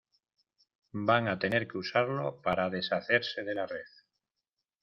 van a tener que usarlo para deshacerse de la red.